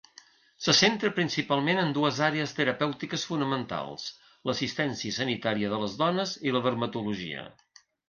Se centra principalment en dues àrees terapèutiques fonamentals: l'assistència sanitària de les dones i la dermatologia.